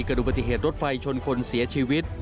เกิดดูพอติเทศรถไฟชนคนเสียชีวิต